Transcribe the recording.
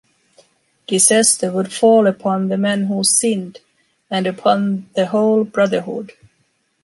Disaster would fall upon the man who sinned, and upon the whole brotherhood.